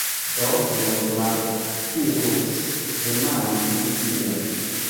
Do, nur malutilus demandi tion!